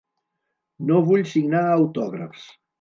No vull signar autògrafs.